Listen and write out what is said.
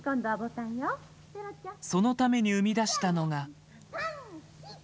そのために生み出したのが。